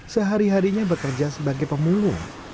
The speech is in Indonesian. sehari harinya bekerja sebagai pemulung